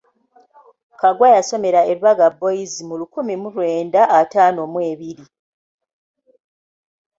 Kaggwa yasomera e Lubaga Boys mu lukumi mu lwenda mu ataano mu ebiri.